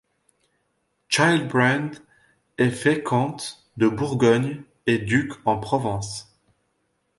Childebrand est fait comte de Bourgogne et duc en Provence.